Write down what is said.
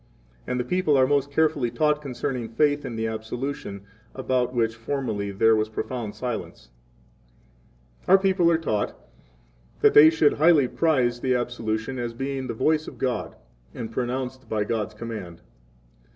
And 2 the people are most carefully taught concerning faith in the absolution, about which formerly there 3 was profound silence. Our people are taught that they should highly prize the absolution, as being the voice of God, 4 and pronounced by God's command.